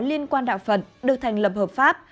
liên quan đạo phật được thành lập hợp pháp